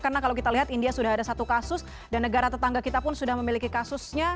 karena kalau kita lihat india sudah ada satu kasus dan negara tetangga kita pun sudah memiliki kasusnya